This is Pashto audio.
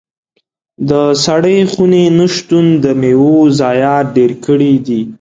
د سړې خونې نه شتون د میوو ضايعات ډېر کړي دي.